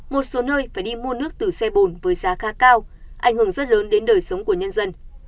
mua nước từ xe bồn với giá khá cao ảnh hưởng rất lớn đến đời sống của nhân dân